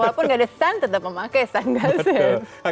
walaupun nggak ada sun tetap memakai sunglasses